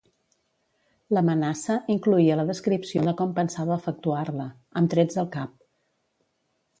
L'amenaça incloïa la descripció de com pensava efectuar-la, amb trets al cap.